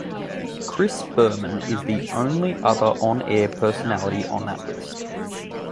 Chris Berman is the only other on-air personality on that list.